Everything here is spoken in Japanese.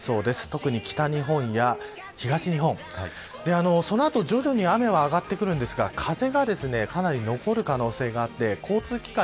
特に北日本や東日本その後、徐々に雨はあがってくるんですが風がかなり残る可能性があって交通機関